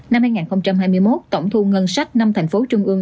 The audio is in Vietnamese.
năm hai nghìn hai mươi một tổng thu ngân sách năm thành phố trung ương